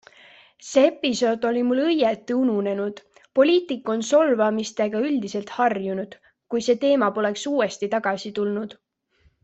See episood oli mul õieti ununenud - poliitik on solvamistega üldiselt harjunud -, kui see teema poleks uuesti tagasi tulnud.